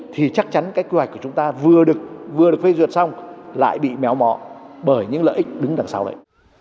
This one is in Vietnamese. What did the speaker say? thì chắc chắn cái quy hoạch của chúng ta vừa được phê duyệt xong lại bị méo mó bởi những lợi ích đứng đằng sau đấy